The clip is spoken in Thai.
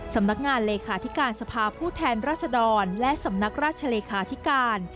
สำนักงานเลขาธิการสภาผู้แทนรัศดรและสำนักราชเลขาธิการ